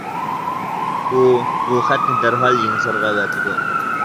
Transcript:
ئۇ، بۇ خەتنى دەرھال يېڭىسارغا ئەۋەتىدۇ.